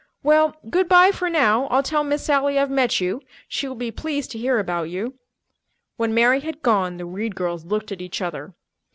Well, good by for now. I'll tell Miss Sally I've met you. She will be pleased to hear about you." When Mary had gone, the Reed girls looked at each other.